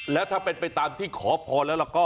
แล้วถ้าเป็นไปตามที่ขอพรแล้วก็